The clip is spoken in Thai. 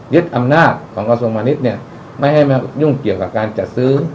ยึดอำนาจของกระทรวงธรรมนิตเนี้ยไม่ให้มันยุ่งเกี่ยวกับการจัดซื้อ